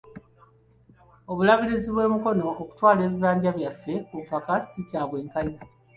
Obulabirizi bw'e Mukono okutwala ebibanja byabwe ku mpaka, si kya bwenkanya.